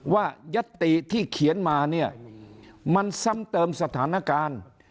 ยัตติที่เขียนมาเนี่ยมันซ้ำเติมสถานการณ์